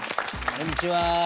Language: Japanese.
こんにちは。